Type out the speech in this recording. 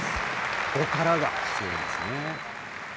ここからが強いんですね。